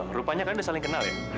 lo rupanya kan udah saling kenal ya